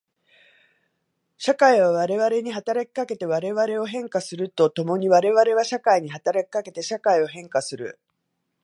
社会は我々に働きかけて我々を変化すると共に我々は社会に働きかけて社会を変化する。